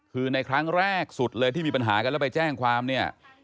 คือในครั้งแรกสุดเลยที่มีปัญหากันแล้วไปแจ้งความเนี่ย